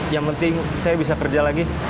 yang penting saya bisa kerja lagi